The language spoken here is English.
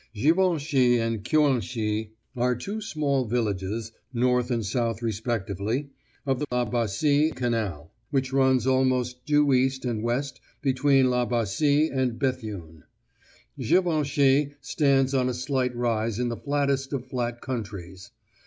Givenchy and Cuinchy are two small villages, north and south, respectively, of the La Bassée Canal, which runs almost due east and west between La Bassée and Béthune. Givenchy stands on a slight rise in the flattest of flat countries.